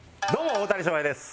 大谷翔平です！